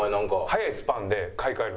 早いスパンで買い替える。